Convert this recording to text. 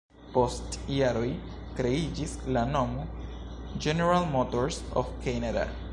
Post jaroj kreiĝis la nomo "General Motors of Canada".